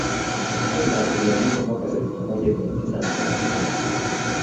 Simba ilianzishwa mwaka elfu moja mia tisa na thelathini na sita